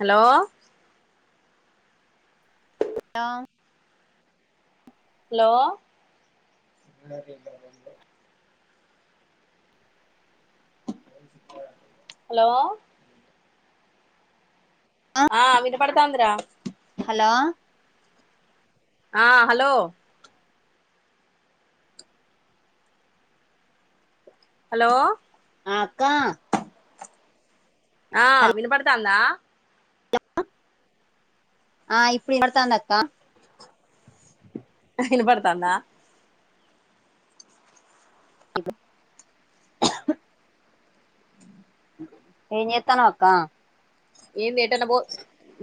Hello ఆ hello hello ఆ వినపడ్తాంది రా హలో ఆ హలో హలో అ అక్కా ఆ హల్ వినబడ్తాందా ఆ ఇప్పుడు వినపబడ్తాందక్కా వినపడ్తాందా [inaudible] ఎంజేతన్నవక్కా ఏం లే ఏటన్న పో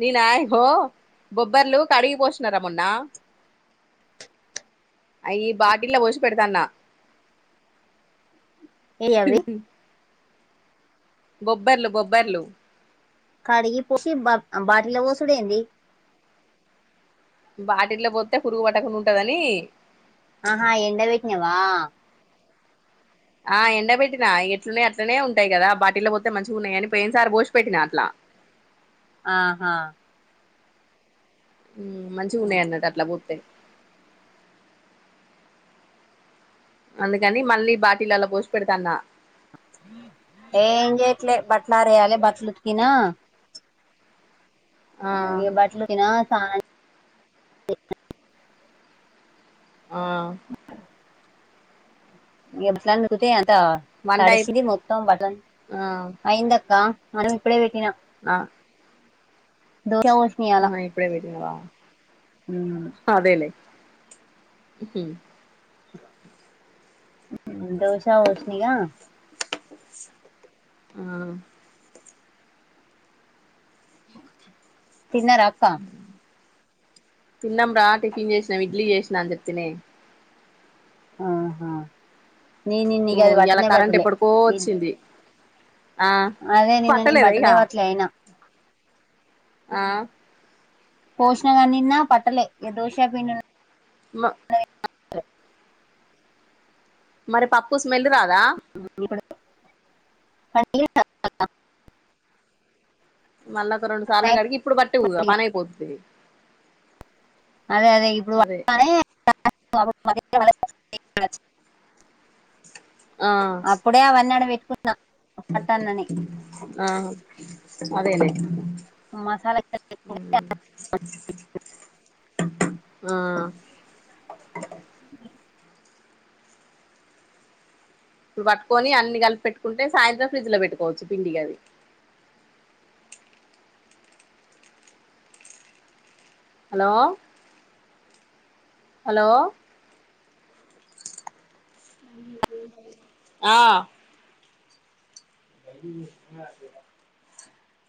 నేనా ఐహో బొబ్బర్లు కడిగి పోస్నారా మొన్నా ఐయి బాటిల్లా వోసి పెడ్తాన్నా ఏయ్ అవి ఉ బొబ్బర్లు బొబ్బర్లు కడిగిపొషి బ-బాటిల్ల వోసుడేంది బాటిల్లా వోతే పురుగు వట్టకుండా ఉంటదనీ ఆహా ఎండవెట్నావా ఆ ఎండ బెట్టినా ఎట్లునయట్నే అట్లనే ఉంటాయి గాదా బాటిల్ల ఒతే మంచిగున్నాయని పెయిన్సారి బోషి పెట్టినా అట్లా ఆహా ఉమ్ మంచిగా ఉన్నాయి అన్నట్టు అట్లా పూత్తె అందుకని మళ్ళీ బాటిలల్ల పోసి పెడ్తాన్నా ఏన్ జెట్లే బాట్లారేయాలే బట్లు ఉతికినా ఆ ఇగ బట్లు ఉకినా సాన్ ఆ ఎప్పుట్లానీ ఉతుక్ అదా వంట అయి తడిసిది మొత్తం బట్టలు ఆ అయిందక్క మనం ఇప్పుడే వెట్టినా ఆ దోష వోష్ ఆ ఇప్పుడే వేట్టినవా అదేలే దోశా పోష్న ఇగా ఆ తిన్నారక్క తిన్నాం రా టిఫిన్ జెష్నామ్ ఇడ్లీ జెష్నా అంజెప్తిని ఆహా నే నిన్ను ఓ ఇగా అది ఇయాల వట్టనే కరెంట్ వట్టలే ఎప్పటికో వచ్చింది ఆ అదే నిన్న నెను పట్టలేదా ఇగ బట్టనే వట్లే అయిన ఆ పోష్న గాని నిన్న పట్టలే ఇగ దోష పిం మ మరి పప్పు స్మెల్ రాదా అ ఉపెడ్త పనిలేక అత్త మ్ మళ్ళా ఒక రోండు సార్లు కడిగి ఇప్పుడు బట్టూ పనైపోతది అదే అదే ఇప్పుడు వట అనే ఆ డే అవన్నీ ఆడపెట్టుకుంట్న ఆ పట్టానని ఆ అదేలే మసాలా ఆ ఇప్పుడు పట్టుకోని అన్ని కలిపి పెట్టుకుంటే సాయంత్రం ఫ్రిడ్జ్ లో పెట్టుకోవచ్చు పిండి అది హలో హలో ఆ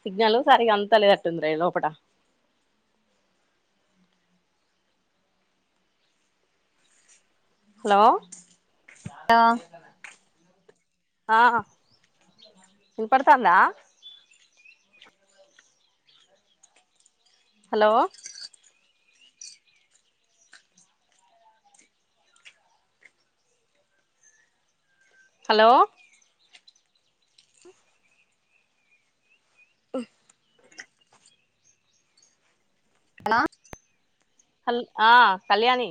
సిగ్నలు సరిగ అందుతా లేనట్టుంది రా లోపట హలో హలో ఆ వినపడతాందా హలో హలో ఉ అనా హల్ ఆ కళ్యాణీ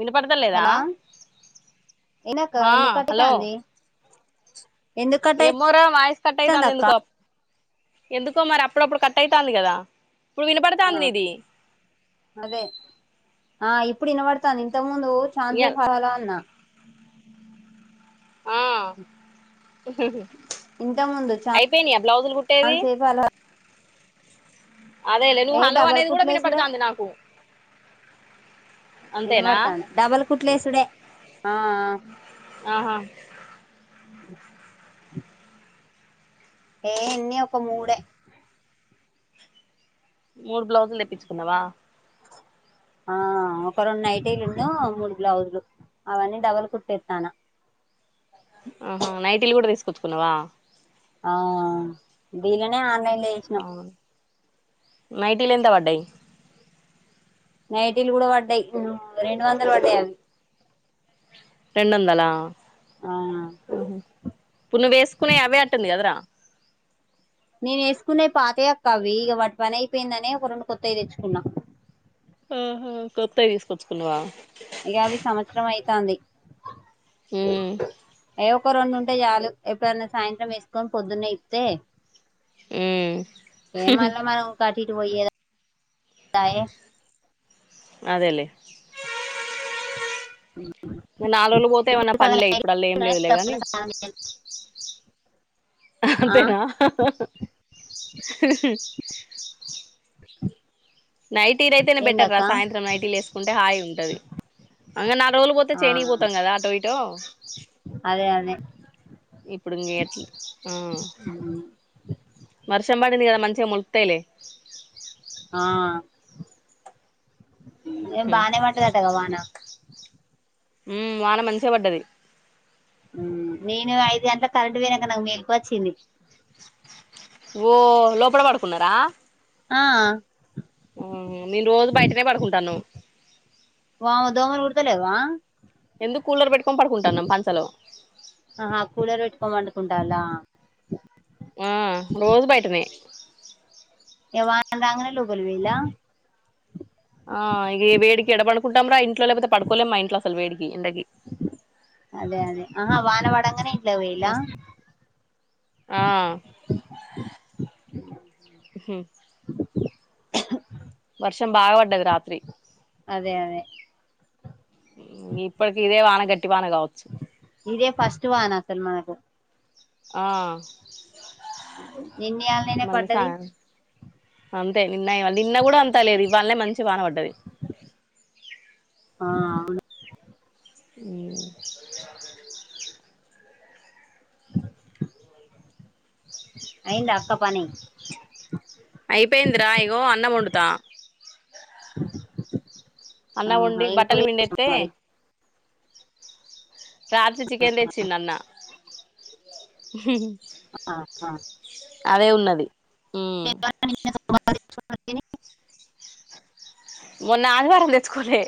వినపడత లేదా ఎనక ఎందు హలో కటితాంది ఏమోరా వాయిస్ కట్ అయితాంది ఎందుకో ఎందుకో మరి అప్పుడప్పుడు కట్ అయితాంది కదా ఫుల్ వినపడతాంది నీది అదే ఆ ఇప్పుడు వినబడతాంది ఇంతకు ముందూ ఇయల్ చాన్సేపు హలో అన్నా ఆ ఇంత ముందు అయిపోయినయ బ్లౌజులు కుట్టేవి చాలాసేపు అలా అదేలే నువ్వు ఏ హలో డబల్ అనేది కూడా కుట్లేసుడే వినపడుతాంది నాకు అంతేనా ఇనబడతాంది డబల్ కుట్లేసుడే ఆహా ఏ ఎన్ని ఒక మూడే మూడు బ్లౌజులు తెప్పిచ్చుకున్నావా ఆ ఒక రెండు నైటీలున్ను మూడు బ్లౌజులు అవన్నీ డబల్ కుట్టేత్తాన ఊహు నైటీలు గూడ తీసుకొచ్చుకున్నవా ఆ దీల్లనే ఆన్లైన్ లో చేసినాం ఆ నైటిలెంత పడ్డయ్ నైటీలు కూడ పడ్డయ్ రెండు వందలు పడ్డయ్ అవి రెండొందలా ఆ ఊహు ఇప్పుడు నువ్వేసుకునే అవే అంటుంది కదరా నేను ఏసుకునేవి పాతయి అక్క అవీ ఇగ వాటి పని అయిపోయిందని ఒక రెండు కొత్తవి తెచ్చుకున్నా ఆహా కొత్తయి తీసుకొచ్చుకున్నవా ఇగ అవి సంవత్సరం అయితాంది ఊ ఏ ఒక్క రొండు ఉంటే చాలు ఎప్పుడన్న సాయంత్రం వేసుకొన్ పొద్దున్నే ఇప్పితే ఉమ్ ఏ మళ్ళ మనమ్ ఊకె అటు ఇటు వొయే పాయె అదెలేే ఇంక నాలుగు రోజ్లు పోతే ఏవన్న ఇప్పుడు సగం పనులే ఇప్పుడల్ల ఏం లేదులేగాని ఆ అంతేనా నైటిలయితేనే బెటర్ రా ఏందక్క సాయంత్రం నైటీల్ వేసుకుంటే హాయిగుంటది అ ఇంగ నాల్గు రోజులు పోతే ఆ చేనికి పోతాం కదా అటో ఇటో అదే అదే ఇప్పుడింగేట్ల్ ఊ వర్షం పడింది కదా మంచిగా మొలుత్తాయిలే ఏం బానే వడ్డదటగదా వానా ఊమ్ వానా మంచిగ వడ్డది ఊమ్ నేను ఐదు గంటలకి కరెంట్ వోయినంక నాకు మేల్ కువొచ్చింది వో లోపడ పడుకున్నారా ఆ ఊ నేను రోజు బయటనే పడుకుంటానామ్ వావ్ దోమలుకుడతలేవా ఎందుకు కూలర్ పెట్టుకోని పడుకుంటాన్నాం పంచలో ఆహా కూలర్ పెట్టుకొని పండుకుంటాల ఆహ్ రోజు బయటనే ఇగ వానా రాంగనే లోపలికి వోయ్యిళ్ల ఆ ఇగ ఈ వేడికి ఎడ పడుకుంటాం రా ఇంట్లో లేకపోతే పడుకోలేం మా ఇంట్లో అసలు వేడికి ఎండకి. అదే అదే ఆహ వానవడంగనే ట్లా వొయ్యిళ్ల మస్త్ ఆ [unintelligible] వర్షం బాగావడ్డది రాత్రి అదే అదే ఇంగ ఇప్పటికి ఇదే వాన గట్టి వాన కావచ్చు ఇదే ఫస్ట్ వాన అసల్ మనకు ఆ నిన్నియాలనే మళ్ళ పడ్డది సాయం అంతే నిన్న ఇవల్ నిన్న గూడా అంత లేదు ఇవ్వాలనే మంచి వాన వడ్డది ఆ అవును మ్మ్ అయిందా అక్క పని అయిపోయిందిరా ఇగో అన్నం వొండుతా అన్నం వండి ఏమ్ కూర బట్టలు పిండేత్తే చేసినవ్ మరి రాత్రి చికెన్ తెచ్చిండు అన్న ఆహా అదే ఉన్నది [inaudible] మొన్నాదివారం తెచ్చుకోలే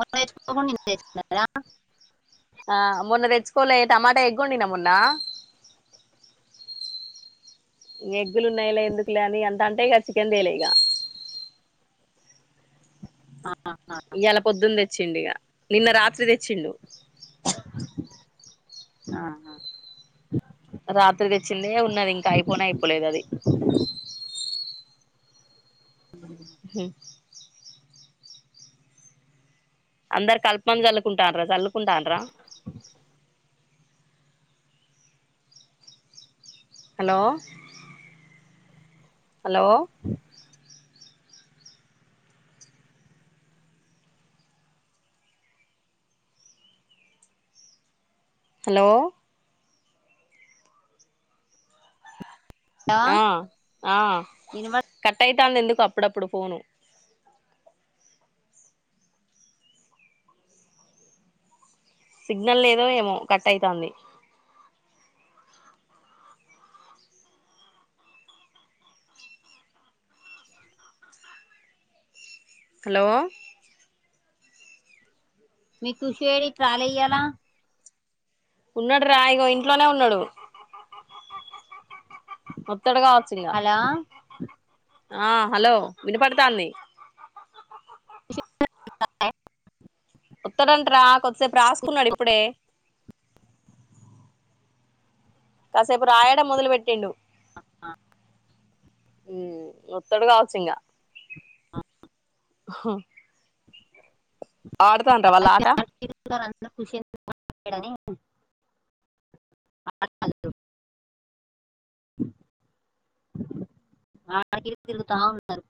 మొన్న తెచ్చుకోకుండా నిన్న తెచ్చుకున్నారా రా ఆ మొన్న తెచ్చుకోలే టమాటా ఎగ్గోండినా మొన్న ఎగ్గులున్నాయిలే ఎందుకులే అని అంటాంటే ఇగ చికెన్ తెేలే ఇగ ఆహా ఈయలా పొద్దున తెచ్చిండు ఇగ నిన్న రాత్రి తెచ్చిండు ఆహా రాత్రి దెచ్చిందే ఉన్నది ఇంకా అయిపోనే అయిపోలే గది ఆహ్ హ్హ్ అందరు కల్పమందు జల్లుకుంటాండ్రా జల్లుకుంటాడ్రా హలో హలో హలో ఆహా ఆ ఆ ఇనుప కట్టైతాందేందుకో అప్పుడప్పుడు ఫోను సిగ్నల్ లేదో ఏమో కటైతాంది హలో మీ కుషి యేడి ఇటు రాలె ఇయ్యలా ఉన్నాడు రా ఇగో ఇంట్లోనే ఉన్నాడు అత్తడు కావచ్చు అలా ఆ హలో విన్పడ్తాంది ఓత్తడంటరా కొద్దిసేపు రాస్కున్నాడు ఇప్పుడే కాసేపు రాయడం మొదలుపెట్టిండు ఉ ఒత్తడు కావచ్చు ఇంగా ఆడ్తాంటవళ్ళట తిడుతరంతన ఖుషి ఎందుకు మాట్లాడని అడికిడికి తిరుగుతా ఉన్నరు